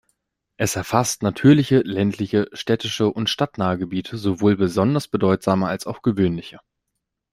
Es erfasst natürliche, ländliche, städtische und stadtnahe Gebiete, sowohl besonders bedeutsame als auch gewöhnliche.